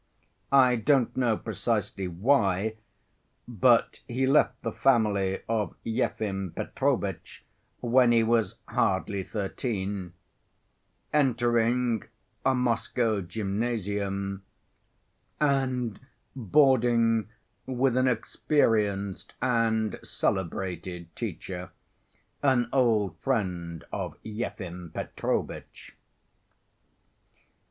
I don't know precisely why, but he left the family of Yefim Petrovitch when he was hardly thirteen, entering a Moscow gymnasium, and boarding with an experienced and celebrated teacher, an old friend of Yefim Petrovitch.